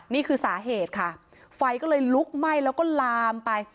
นี่คือสาเหตุค่ะไฟก็เลยลุกไหม้แล้วก็ลามไป